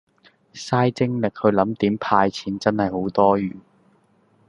晒精力去唸點派錢真係好多餘